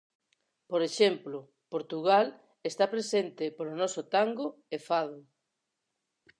Por exemplo, Portugal está presente polo noso tango e fado.